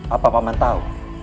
apa paman tahu